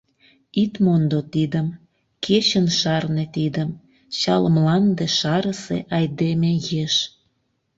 Ит мондо тидым, кечын шарне тидым, Чал мланде шарысе айдеме еш!